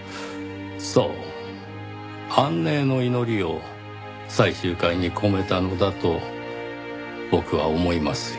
そう安寧の祈りを最終回に込めたのだと僕は思いますよ。